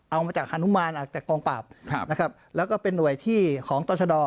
เอามาจากฮานุมานออกจากกองปราบครับนะครับแล้วก็เป็นหน่วยที่ของตรชด